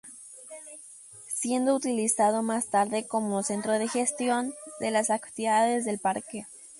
Siendo utilizado más tarde como centro de gestión de las actividades del parque.